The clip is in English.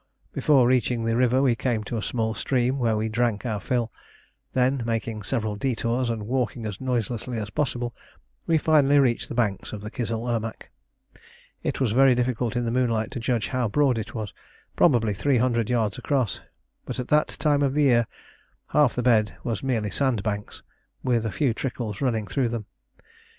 Before reaching the river we came to a small stream where we drank our fill: then making several detours and walking as noiselessly as possible, we finally reached the bank of the Kizil Irmak. It was difficult in the moonlight to judge how broad it was: probably 300 yards across. But at that time of year half the bed was merely sandbanks, with a few trickles running through them.